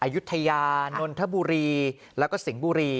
อยุธยานนทบุรีและสิงห์บุรี